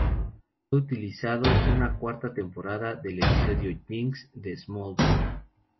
Fue utilizado en una cuarta temporada del episodio, "Jinx", de Smallville.